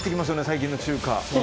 最近の中華。